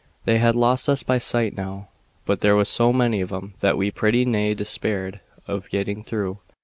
They had lost us by sight now, but there was so many of 'em that we pretty nigh despaired of getting through.